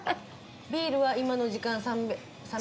ビールは今の時間３００円。